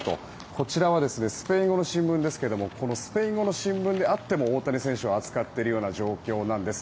こちらはスペイン語の新聞ですがスペイン語の新聞であっても大谷選手を扱っているような状況なんです。